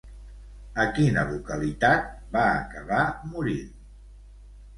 A quina localitat va acabar morint?